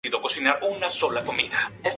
El azur no se encuentra definido con exactitud.